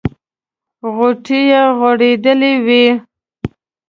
غوټۍ یې غوړېدلې وې.